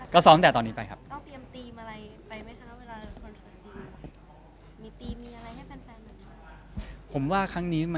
ก็ซ้อมแต่ตอนนี้ไปครับ